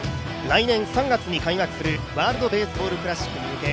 来年３月に開幕するワールドベースボールクラシックへ向け